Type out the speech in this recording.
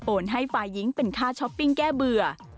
ให้ฝ่ายหญิงเป็นค่าช้อปปิ้งแก้เบื่อ